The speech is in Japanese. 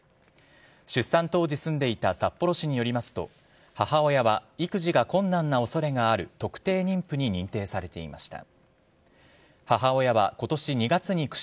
出産当時住んでいた札幌市によりますと、母親は育児が困難なおそれがある特定妊婦に認定されていました。